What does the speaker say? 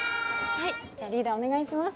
はいじゃあリーダーお願いします